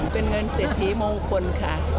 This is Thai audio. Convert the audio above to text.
เป็นเงินเศรษฐีมงคลค่ะ